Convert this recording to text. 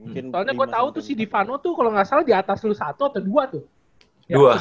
soalnya gue tau tuh si divano tuh kalau nggak salah di atas lu satu atau dua tuh